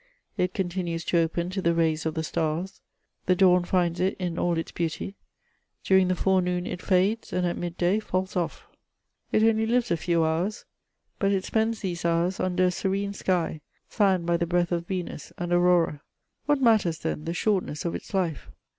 It continues to open to the rays of the stars ; the dawn finds it in all its beauty ; dur ing the forenoon it fades, and at mid day falls ofl; It only lives a few hours, but it spends these hours under a serene sky, fanned by the breath of Venus and Aurora. What matters, then, the shortness of its life